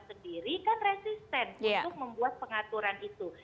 pembuat undang undang sendiri kan resisten untuk membuat pengaturan itu